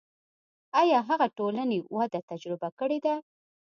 آیا هغه ټولنې وده تجربه کړې ده.